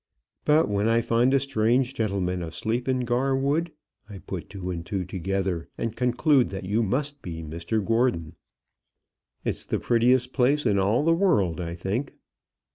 But when I find a strange gentleman asleep in Gar Wood, I put two and two together, and conclude that you must be Mr Gordon." "It's the prettiest place in all the world, I think."